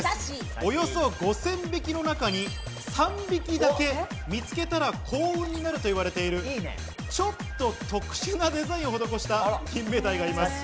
およそ５０００匹の中に３匹だけ、見つけたら幸運になるといわれている、ちょっと特殊なデザインを施した金目鯛がいます。